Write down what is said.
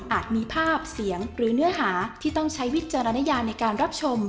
มีภาพเสียงหรือเนื้อหาที่ต้องใช้วิจารณญาในการรับชม